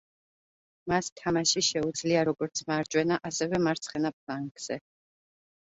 მას თამაში შეუძლია როგორც მარჯვენა, ასევე მარცხენა ფლანგზე.